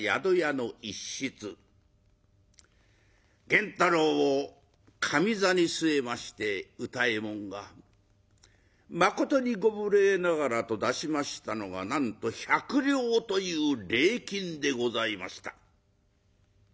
源太郎を上座に据えまして歌右衛門がまことにご無礼ながらと出しましたのがなんと百両という礼金でございました。